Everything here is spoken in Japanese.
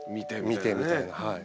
見てみたいなはい。